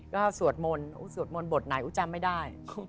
ก็สวดมนต์สวดมนต์บทไหนอู๋จำไม่ได้